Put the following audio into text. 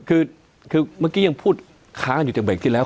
คือเมื่อกี้ยังพูดค้างอยู่แต่เบรกที่แล้ว